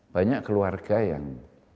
banyak keluarga yang